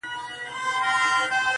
یاره بس چي له مقامه را سوه سم